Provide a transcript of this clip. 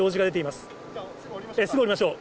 すぐ下りましょうか。